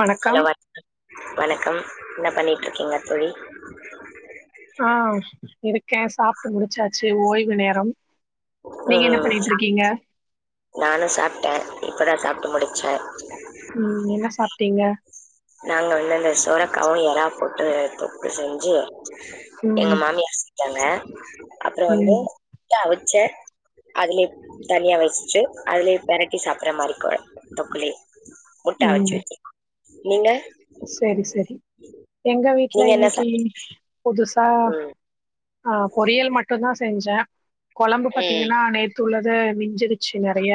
வணக்கம். வணக்கம் என்ன பண்ணிட்ருக்கீங்க தோழி ஆ இருக்கே சாப்ட்டு முடிச்சாச்சு ஓய்வு நேரம் நீங்க என்ன ம் பண்ணிட்ருக்கீங்க நானு சாப்ட்ட இப்பதா சாப்ட்டு முடிச்ச ம் என்ன சாப்டிங்க நாங்க வந்து அந்த சொரக்காவு எறா போட்டு தொக்கு செஞ்சி எங்க ம், மாமியிர் செஞ்சாங்க அப்றோ வந்து ம், முட்ட அவிச்ச அதுலே தனியா வச்சுட்டு அதுலே பெரட்டி சாப்படற மாரி கொழம்பு தொக்குலயே முட்ட அவிச்சு வச்சு நீங்க செரி செரி எங்க நீங்க வீட்ல என்ன சாப் இன்னைக்கி புதுசா ம் ஆ பொரியல் மட்டுந்தா செஞ்ச கொழம்பு ம் பாத்திங்கன்னா நேத்து உள்ளது மிஞ்சிருச்சு நெறைய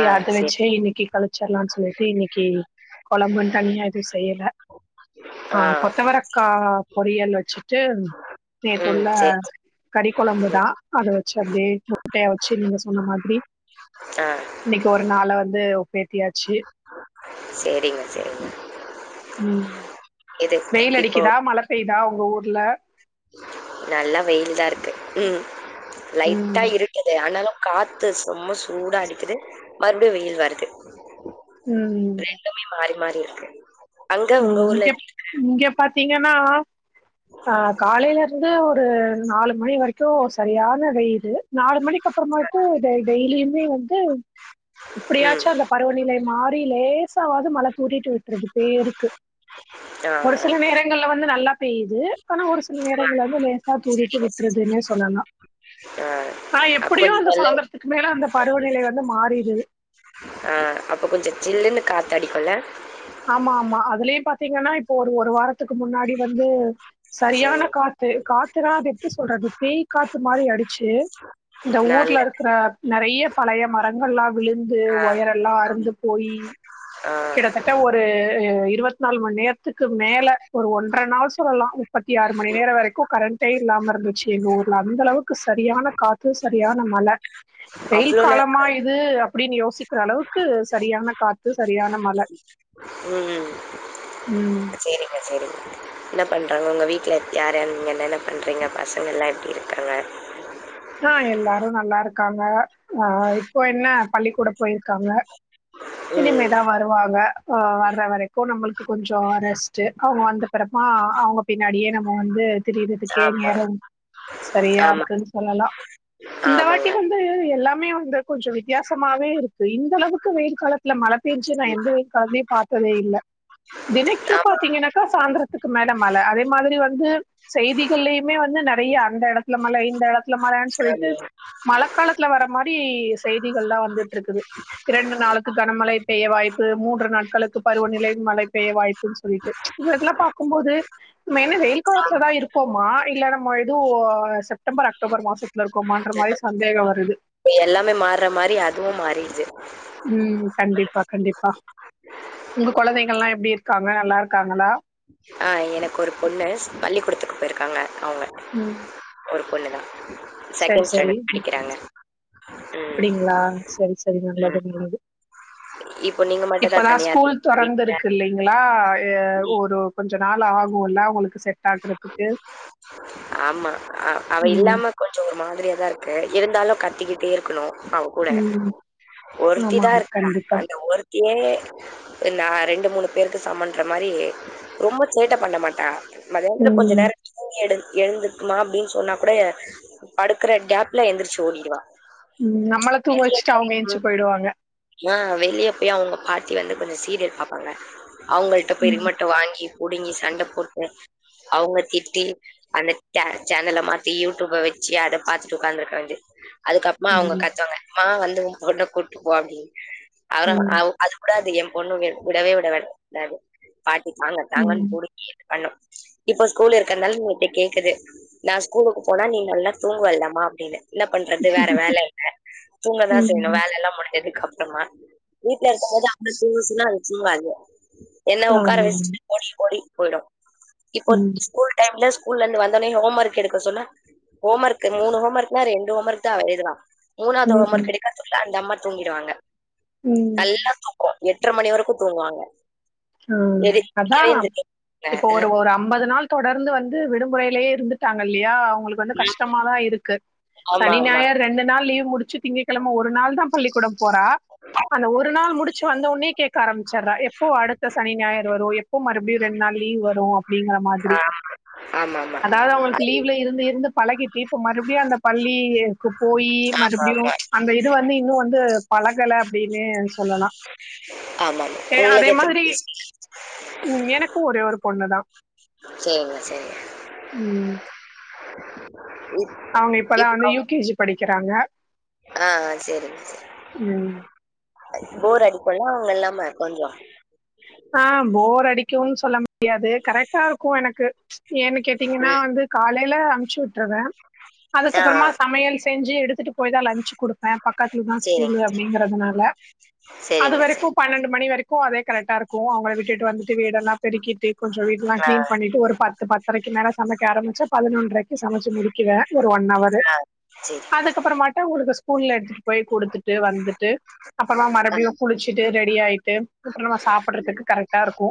ஆ அத சேரி வச்சே இன்னைக்கி கழிச்சிர்லான் சொல்லிட்டு இன்னைக்கு கொழம்புன் தனியா எதுவும் செய்யல ஆ கொத்தவரக்கா பொரியல் வச்சுட்டு ம் நேத்துள்ள சேரி கறி கொழம்பு தா ம் அத வச்சு அப்டியே முட்டை அவிச்சு நீங்க சொன்ன மாதிரி ஆ இன்னைக்கு ஒரு நாள வந்து ஒப்பேத்தியாச்சு செரிங்க செரிங்க ம் வெயில் இப்போ அடிக்குதா மழ பேய்தா உங்க ஊர் நல்லா வெயில் தா இருக்கு ம் லைட்டா ம் இருட்டுது ஆனாலு காத்து செம்ம சூடா அடிக்குது மறுபடியு வெயில் வருது ம் ரெண்டுமே மாறி மாறி இருக்கு அங்க உங்க ம் ஊர்ல இங்க எப்டி இங்க பாத்திங்கனா அ காலைல இருந்து ஒரு நாலு மணி வரைக்கு சரியான வெயிலு நாலு மணி அதுக்கப்பறமாட்டு டெ டெய்லிமே வந்து ம் எப்டியாச்சு அந்த பருவநிலை மா றி லேசாவாது மழ தூறிட்டு விட்ருது பேருக்கு ஆ ஒரு சில நேரங்கள்ல வந்து நல் லா பேயுது ஆனா ஒரு சில நேரங்கள வந்து லேசா தூறிட்டு எஸ் விட்ருதுன்னே சொல்லலா ஆ ஆனா அப்ப எப்டியு கொஞ்ச அந்த நல்லா சாயந்தரத்துக்கு மேல அந்த பருவநிலை வந்து மாறிருது ஆ அப்ப கொஞ்சோ சில்லுனு காத்தடிக்குல ஆமா ஆமா அதுலயு பாத்திங்கனா இப்போ ஒரு ஒரு வாரத்துக்கு முன்னாடி வந்து சரியான சரிங்க காத்து காத்துனா அது எப்டி சொல்றது பேய் காத்து மாரி அடிச்சு இந்த ஊர்ல நல்லது இருக்குற நெறைய பழைய மரங் கள்லா விழுந்து ஆ ஒயரெல்லா அறுந்து போயி ஆ கிட்டத்தட்ட ஒரு அ இருவத் நாலு மண் நேரத்துக்கு மேல ஒரு ஒன்ற நாள் சொல்லலா முப்பத்தி ஆறு மணி நேரோ வரைக்கு கரண்ட்டே இல்லாம இருந்துச்சு எங்க ஊர்ல அந்த அளவுக்கு சரியான காத்து சரியான மழ வெயில் அவ்ளோ காலமா நேரம் இது அப்டின் யோசிக்கற அளவுக்கு சரியான காத்து சரியான மழ ம் சேரிங்க சேரிங்க [inaudible] என்ன பண்றாங்க உங்க வீட்ல யார்யாரு நீங்க என்னென்ன பண்றிங்க பசங்கல்லா எப்டி இருக்காங்க ஆ எல்லாரு நல்லாருக்காங்க ஆ இப்போ என்ன பள்ளிக்கூடோ போயிருக்காங்க ம் இனிமேதா வருவாங்க ஆ வர்ற வரைக்கு நம்மளுக்கு கொஞ்சோ ரெஸ்ட்டு அவுங்க வந்த பெறகு ஆ அவுங்க பின்னாடியே நம்ம வந்து திரியறதுக்கே ஆமா நேர சரியா ஆமா இருக்குன் சொல்லலா இந்த ஆமாங்க. வாட்டி வந்து எல்லாமே வந்து கொஞ்சொ வித்யாசமாவே இருக்கு இந்தளவுக்கு வெயில் காலத்துல மழை பேஞ்சு நா ம் எந்த வெயில் காலத்துலயு பாத்ததே இல்ல தெனைக்கு ஆமா பாத்திங்கனாக்கா சாந்தரத்துக்கு மேல மழ அதே மாரி வந் து செய்திகள்லயுமே வந்து நெறைய அந்த எடத்துல மழ இந்த எடத் மழன் சொல்ட்டு ஆமா மழகாலத்துல வர மாரி செய்திகள்லா வந்துட்ருக்குது இரண்டு நாளுக்கு கனமழை பெய்ய வாய்ப்பு மூன்று நாட்களுக்கு பருவநிலை மழை பெய்ய வாய்ப்புன் சொல்லிட்டு இதெலா பாக்கும்போது நம்ம என்ன வெயில் காலத்துலதா இருக்கோமா இல்ல நம்ம எதுவு செப்டம்பர் அக் அக்டோபர் மாசத்துல இருக்கோமான்ற மாரி சந்தேகோ வருது இப்ப எல்லாமே மார்ர மாரி அதுவு மாறிடுது ம் கண்டிப்பா கண்டிப்பா உங்க கொழந்தைகள்லா எப்டி இருக்காங்க நல்லாருக்காங்களா ஆ எனக்கு ஒரு பொண்ணு ஸ் பள்ளிக்கூடத்துக்கு போயிருக்காங்க அவங்க ம் ஒரு பொண்ணு தா செக்கென்ட் ஸ்டேண்டட் படிக்றாங்க அப்டிங்ளா செரி செரி ம். நல்லது நல்லது இப்போ நீங்க மட்டும் தான் இப்பதா தனியா ஸ்கூல் இருக்கீங்க வீட்ல. தொறந்துருக்கு இல்லைங்களா எ ம். ஒரு கொஞ்ச நாள் ஆகுல்ல அவுங்குளுக்கு செட் ஆகுறத்துக் ஆமா அ அவ ம் இல்லாம கொஞ்சோ ஒரு மாதிரியாதாருக்கு இருந்தாலு க கத்திக்கிட்டே இருக்குணு அவ கூட ம் ஆமா ஆமா, ஒருத்திதா இருக்கா கண்டிப்பா அந்த ஒருத்தியே நா ரெண்டு மூணு பேருக்கு சமன்ற மாரி ரொம்ப சேட்ட பண்ண மாட்டா மத்யானத்துல கொஞ்ச ம் நேரோ தூங்கியெடு எழுந்துக்குமா அப்டின் சொன்னா கூட படுக்குற கேப்ல எந்திரிச்சு ஓடிடுவா ம் நம்மள தூங்க வச்சுட்டு அவங்க எந்ச்சு போயிடுவாங்க ஆ வெளிய போய் அவுங்க பா [unintelligible] வந்து கொஞ்சோ சீரியல் பாப்பாங்க அவங்கள்ட்ட போய் ம் ரிமோட்ட வாங்கி புடுங்கி சண்ட போட்டு அவங்க திட்டி அந்த சே சேனல்ல மாத்தி யூடியூப்ப வச்சு அத பாத்துட்டு ஒக்காந்துருக்க வேண்டி அதுக்கு அப்மா அவங்க ம் கத்துவாங்க ம்மா வந்து ஓ பொண்ண கூட்டு போ அப்டின் அதுதா ம் அ அது உடாது என் பொண்ணு வி விடவே விட விடாது பாட்டி தாங்க ம் தாங்கன்னு புடுங்கி இது பண்ணு இப்ப ஸ்கூல் இருக்கறனால என்ட்ட கேக்குது நா ஸ்கூலுக்கு போனா நீ நல்லா தூங்குவல்லமா அப்டின்னு இன்ன பண்றது வேற வேல இல்ல தூங்கதா செய்ணு ம் வேலெல்லா முஞ்சதுக்கப் ஆமா வீட்ல இருக்கம்போது [unintelligible] தூங்க சொன்ன அது தூங்காது என்ன ஒக்கார ஆமாங்க வச்சுட்டு ஓடி ஓடி போய்டு இப்போ ம் ஸ்கூல் டைம்ல ஸ்கூல்லருந்து வந்தோன்னே ஓம் ஒர்க் எடுக்க சொன்னா ஹோம் ஒர்க்கு மூணு ஹோம் ஒர்க்னா ரெண்டு ஹோம் ஒர்க்தா அவ எழுதுறா மூணாது ஹோம் ம் ஒர்க் எடுக்கத்துள்ள அந்த அம்மா தூங்கிடுவாங்க ம் நல்லா தூங்கு எட்ர மணி வரக்கு தூங்குவாங்க அ எது அதா எந்திரிக்கவே இப்போ எந்திரிக்க ஒரு ஒரு அம் அம்பது நாள் தொடர்ந்து வந்து விடுமுறைலே இருந்துட்டாங்க இல்லையா அவுங்ளுக்கு வந்து கஷ்டமா தா இருக்கு ஆமா சனி ஆமா ஞாயர் ரெண்டு நாள் லீவ் முடிச்சு திங்க கெழம ஒரு நாள் தா பள்ளி கூ போறா அந்த ஒரு நாள் முடிச்சு வந்தவோன்னே கேக்க ஆரம்மிச்சர்றா எப்போ அடுத்த சனி ஞாயர் வரும எப்போ மறுபடி ரெண்டு நாள் லீவ் வரு அப்டிங்கற மாதிரி ஆ ஆமாமா அதாது அவுங்ளுக்கு லீவ்ல இருந்து இருந்து பழகிட்டு இப்ப மறுபடி அந்த பள்ளிக்கூ போயி மறுபடியு ஆமாமா அந்த இது வந்து இன்னு வந்து பழகல அப்டின்னு சொல்லலா ஆமா உங்ளுக்கு எத்தன [unintelligible] ம் எனக்கு ஒரே ஒரு பொண்ணுதா சேரிங்க சேரிங்க இப் அவுங்க இப்பதா வந்து இப்போ யூகேஜி படிக்கறாங்க ஆ ஆ சேரிங்க சேரி போர் அடிக்குல அவுங்க இல்லாம கொஞ்சோ ஆ போர் அடிக்குன் சொல்ல முடியாது கரெக்டா இருக்கு எனக்கு ஏன்னு கேட்டீங்கன்னா ம் வந்து காலைல அம்ச்சு உட்ருவே ஆ ஆ அதுக்கப்றமா சமயல் செ செஞ்சி எடுத்துட்டு போய் தா லன்ச் குடுப்பே பக்கத்துல தா ஸ்கூலு சேரிங்க அப்டிங்றதுனால அது சேரிங்க வரைக்கு சேரி பன்னெண்டு மணி வரைக் கு அதே கரெட்டாருக் கு அவங்கள விட்டுட்டு வந்துட்டு வீடெல்லா பெருக்கிட்டு கொஞ்சோ வீட்லா ஆ கிளீன் பண்ணிட்டு ஒரு பத்து பத்தரைக்கு மேல சமைக்க ஆரம்மிச்சா பதினொன்றைக்கு சமைச்சு முடிக்குவே ஒரு ஒன்னவரு ஆ சேரி அதுக்கப்றமாட்டு உங்குளுக்கு ஸ்கூல்ல எடுத்துட்டு போய் குடுத்துட்டு வந்துட்டு அப்பறமா ஆ மறுபடியு குளிச்சுட்டு ரெடி ஆயிட்டு அப்ற நா சாப்படுறதுக்கு ம் கரெக்டா இருக்கு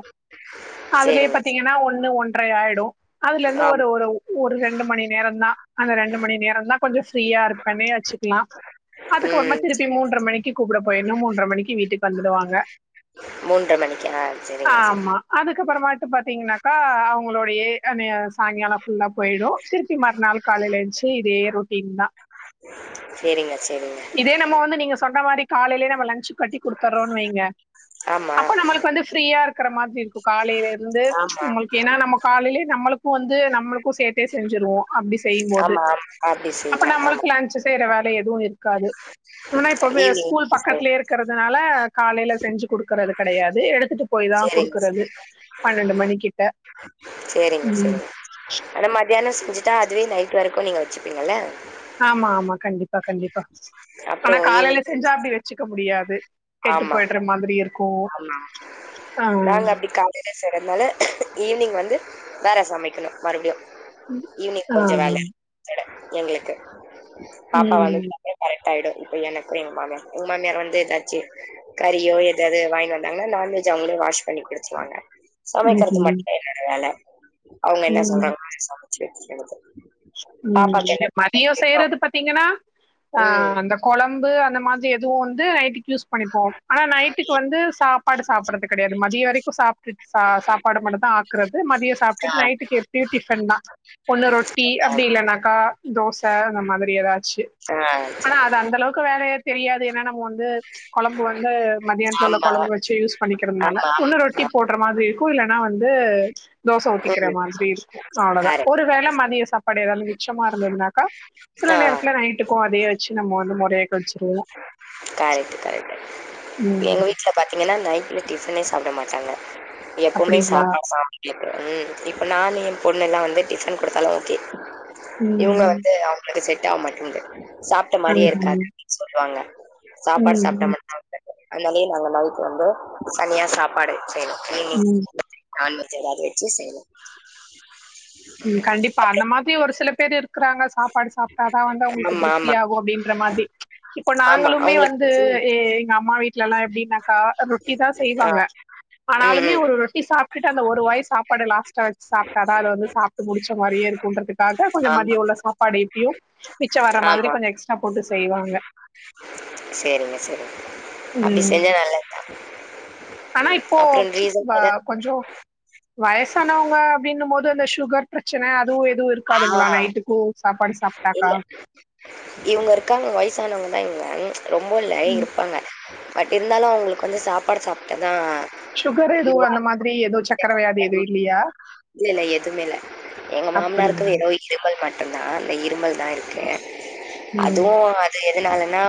அதுலயே சேரிங்க பாத்தீங்கன்னா ஒண்ணு ஒண் ரை ஆயிடும் அதுல இருந்து ஒரு ஆமா ஒரு ஒரு ரெண்டு மணி நேரம்தான் அந்த ரெண்டு மணி நேரந்தா அந்த ரெண்டு மணி நேரந்தா கொஞ்ச ஃப்ரீயா இருப்பேன்னே வச்சுக்கலா அதுக்குறமா ம் திருப்பி மூன்ற மணிக்கு கூப்பிட போயிடணும் மூன்ற மணிக்கு வீட்டுக்கு வந்துடுவாங்க மணிக்கா சரிங்க சரி ஆமா அதுக்கப்புறமா பாத்தீங்கனாக்கா அவங்களுடைய சாயங்கால ல்ல போயிடும் திருப்பி மறுநாள் காலையில எந்துச்சு இதே ரொட்டீன் தா சரிங்க சரிங்க இதே நம்ம வந்து நீங்க சொன்ன மாரி காலேயே நம்ம லஞ்ச் கட்டி குடுத்தர்றோன்னு வைங்க ஆமா அப்ப நம்மளுக்கு வந்து ஃப்ரீயா இருக்கிற மாதிரி இருக்கும் காலையில இருந்து ஆமா நம்ளுக்கு ஏன்னா நம்ம காலயிலே நம்மளுக்கும் வந்து நம்மளுக்கும் சேத் செஞ்சுருவோ அப்டி செய்யும் போது ஆமா, ஆமா. அப்டி அப்ப செய்யலாம். ஆமா. நம்மளுக்கு லன்ஞ்சு செய்யற வேல எதுவு இருக் காது ஆனா இப்ப ஈவ்னிங் ஸ்கூல் சரிங்க பக்கத்துலயே இருக்கிறதுனால காலையில செஞ்சு குடுக்கறது கெடையாது எடுத்துட்டு சேரிங்க சிஸ்டர் பன்னெண்டு மணிக்கிட்ட சேரிங்க உம் சேரிங்க அத மட் மத்தியான செஞ்சுட்டா அதுவே நைட் வரைக்கு நீங்க வச்சிப்பீங்கல்ல ஆமா ஆமா கண்டிப்பா கண்டிப்பா ஆனா அப்புறம் காலயில ஈவ்னிங் செஞ்சா செஞ்சு அப்டி வச்சுக்க முடியாது கெட்டு ஆமா, போயிடுற மாதிரி இருக் ஆமா நாங்க அப்டி காலில செய்றனால ஈவினிங் வந்து வேற சமைக்கணும் மறுபடியும் ஈவினிங் கொஞ்ச வேல ஆஹ் எங்களுக்கு பாப்பா வந்து உம் [inaudible] ஆய்டும் இப்ப எனக்கு எங்க மாமியார் எங்க மாமியார் வந்து எதாச்சு கறியோ எது வாங்கி வந்தாங்கனா நான்வெஜ் அவங்களே வாஷ் பண்ணி குடுத்துவாங்க சமைக்கிறது உம் மட்டு என்னோட வேல அவங்க என்ன உம் சொல்றாங்களோ அதே சமைச்சு வைக்கறது ம் மதியம் செய்யறது பாத்தீங்கனா ஆ ம் அந்த கொழம் பு அந்த மாதிரி எதுவு வந்து நைட்டுக்கு யூஸ் பண்ணிப்போம் ஆனா நைட்டுக்கு வந்து சாப்பாடு சாப்பிடறது கெடையாது மதிய வரைக்கு சாப்ட்டுட் சாப்பாடு தா ஆக்குறது மதியம் ஆ சாப்பிட்டுட்டு நைட்டு எப்பியு டிபன் தா ஒண்ணு ரொட்டி ஆ அப்டி இல்லனாக்கா தோச அந்த மாதிரி எதாச்சு ஆ ஆனா சரி அது அந்த அளவுக்கு வேல நம்ம வந்து கொழம்பு வந்து மதியானத்து உள்ள ஆமா கொழம்பு வச்சு யூஸ் பண்ணிக்கிறதுனால ஆமா ஒன்னு ரொட்டி ஆமா போடுற மா திரி இருக்கும் இல்லன்னா வந்து தோச ஊத்திக்கிற ம் மாதிரி இருக்கும் அவ்வளோதா கரெக்ட் ஒருவேள மதிய சாப் பாடு எதாவது மிச்சமா இருந்ததுனாக்கா சில ஆ நேரத்துல நைட்டுக்கும் அதே வச்சு நம்ம வந்து மொறைய கழிச்சிருவோ கரெக்ட் கரெக்ட் கரெக்ட் எங்க வீட்ல பாத்தீங்க டிஃபனே சாப்ட மாட்டாங்க எப்போமே அப்படிங்களா சாப்பாடு தா ம் இப்ப நானு எ பொண்ணுல்லா வந்து டிஃபன் குடுத்தாலு ஓகே ம் இவுங்க ம் வந்து அவுங்களோட செட் ஆக மாட்டிங்கிது சாப்ட்ட மாரியே ஆஹா. இருக்காது அப்டின்னு சொல்லுவாங்க சாப்பாடு ம் சாப்ட்டா ம் மட்டூ அதனாலயே நாங்க நைட் வந்து தனியா சாப்பாடு செய்யணு மீன் ம் நான்வெஜ்ஜு எதாவது வச்சு செய்வோ ம் கண்டிப்பா அந்த மாதி ஒரு சில பேரு இருக்குறாங்க சாப்பாடு சாப்ட்டா தா வந்து அவுங்களுக்கு ஆமா திருப்தி ஆமா ஆகு அப்டின்ற மாதி இப்ப ஆமா நாங்களுமே வந்து அவங்களுக்கு ஏ எங்க அம்மா வீட்லலா எப்டின்னாக்கா ரொட்டி தா ஆ செய்வாங்க ம் ஆனாலுமே ம் ஒரு ரொட்டி சாப்ட்டுட்டு அந்த ஒரு வாய் சாப்பாடு லாஸ்ட்டா வச்சு சாப்ட்டா தா அது வந்து சாப் ட்டு முடிச்ச மாரியே இருக்குன்றதுக்காக கொஞ்ச ஆமா மத்திய உள்ள சாப்பாடு எப்பயு மிச்ச வர மாதிரி ஆமா கொஞ்சோ எக்ஸ்ட்ரா போட்டு செய்வாங்க சேரிங்க சேரிங்க அப்டி ம். செஞ்சா நல்லதுதா ஆனா ம் இப்போ அப்றோ ரீசன் எதா கொஞ் சோ வயசானவங்க அப்டின்னு போது அந்த சுகர் பிரச் சன அதுவு எதுவு ஆ இருக்காதுங்களா நைட்டுக்கூ சாப்பாடு சாப்ட்டாக்கா இவுங்க இருக்காங்க வயசானவுங்க [unintelligible] ரொம்ப இல்ல ம். இருப்பாங்க பட் இருந்தாலு அவுங்களுக்கு வந்து சாப்பாடு சாப்ட்டா தா சுகரு ஏதுவு அந்த மாதிரி ஏது சக்கர வியாதி எது இல்லியா இல்ல இல்ல எதுமே இல்ல எங் மாமனாருக்கு அப்படியா வெறு இருமல் மட்டூந்தா அந்த இருமல் தா இருக்கு ம் அதுவு அது எதுனால னா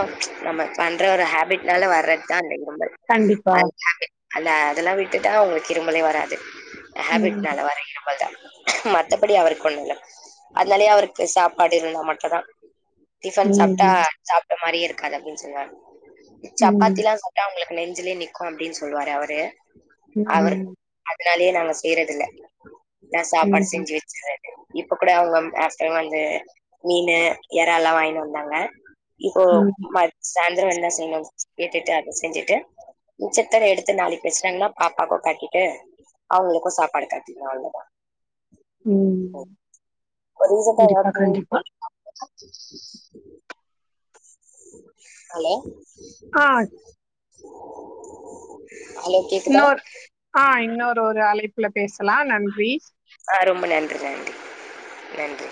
நம்ம பண்ற ஒரு ஹேபிட்னால வர்றதுதா அந்த இருமல் கண்டிப்பா அந்த ஹாபிட் அந்த அதெல்லா விட்டுட்டா அவுங்களுக்கு இருமலே வராது ம் ஹேபிட்னால வர இருமல் தா மத் த்தபடி அவருக்கு ஒண்ணு இல்ல அதனாலயே அவருக்கு சாப்பாடு இருந்தா மட்டூ தா டிஃபன் சாப்ட்டா ம் சாப்ட்ட மாரியே இருக்காது அப்டின் சொல்வாரு ம் சப்பாத்திலா சாப்ட்டா அவுங்களுக் நெஞ்சுலயே நிக்கூ அப்டின் சொல்லுவாரு அவரு ம் ம் துனாலயே நாங்க செய்றது இல்ல னா சாப்பாடு ம் செஞ்சு வச் இப்ப கூட அவுங்க ம் லாஸ்ட் டைம்வந்து மீனு எறால்லா வாங்கிட்டு வந்தாங்க இப்போ ம் ம சாயந்திரோ என்னா செய்ணு கேட்டுட்டு அத செஞ்சுட்டு மிச்சத்த எடுத்து நாளைக்கு வச்சுட்டாங்னா பாப்பாக்கூ காட்டிட்டு அவுங்களுக்கு சாப்பாடு கட்டிருவே அவ்ளோ தா ம் கண்டிப்பா கண்டிப்பா [inaudible] ஹலோ ஆ ஹலோ கேக்குதா இன்னொரு ஆ இன்னொரு ஒரு அழைப்புல பேசலா நன்றி ம்ப நன்றி நன்றி நன்றி